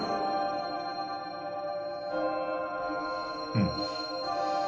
うん。